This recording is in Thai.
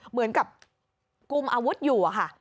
เหมือนกับกุมอาวุธอยู่อะค่ะ